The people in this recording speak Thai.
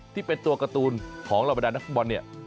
ที่เป็นตัวการ์ตูนของรับบันไดร์นักฟุนบอล